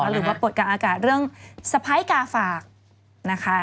หรือว่าปวดกลางอากาศเรื่องสะพ้ายกาฝากนะคะ